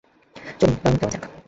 চলুন, রওনা দেওয়া যাক।